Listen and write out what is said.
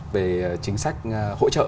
về chính sách hỗ trợ